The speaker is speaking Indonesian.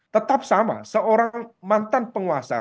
tetap sama seorang mantan penguasa